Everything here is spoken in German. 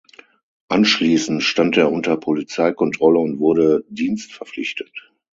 Anschließend stand er unter Polizeikontrolle und wurde dienstverpflichtet.